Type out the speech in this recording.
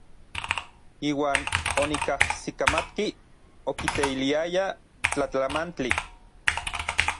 Iuan onikajsikamatki okiteiliayaj tlatlamantli.